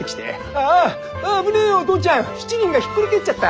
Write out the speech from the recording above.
「ああっ危ねえよドンちゃん七輪がひっくり返っちゃった！